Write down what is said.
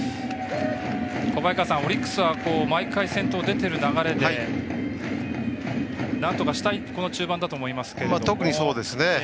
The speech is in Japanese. オリックスは、毎回先頭が出ている流れでなんとかしたい中盤だと思いますけれども。